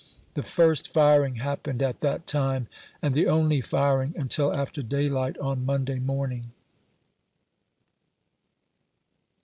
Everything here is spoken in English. The first firing happened at that time, and the only firing, Tmtil after daylight on Monday morning.